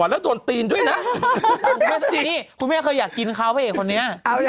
มาสิคุณแม่เคยอยากกินเขาไอ้คนนี้